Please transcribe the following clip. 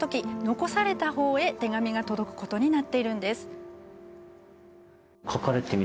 残されたほうへ手紙が届くことになっているんです。